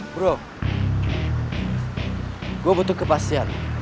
bro gue butuh kepastian